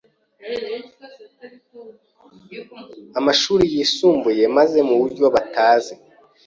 amashuri yisumbuye maze mu buryo batazi,